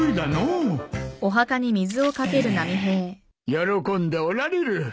喜んでおられる。